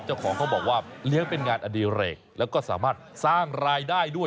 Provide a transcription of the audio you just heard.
เจ้าของเขาบอกว่าเลี้ยงเป็นงานอดีเรกแล้วก็สามารถสร้างรายได้ด้วย